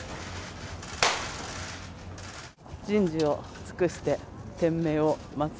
人事を尽くして天命を待つ。